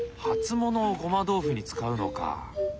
初物をごま豆腐に使うのか。